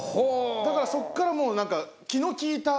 だからそっから何か。